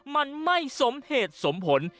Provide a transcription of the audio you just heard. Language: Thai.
มันไม่สมเหตุสมผล